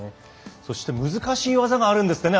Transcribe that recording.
そして難しい技があるんですってね。